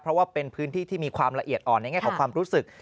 เพราะว่าเป็นพื้นที่ที่มีความละเอียดอ่อนในแง่ของความรู้สึก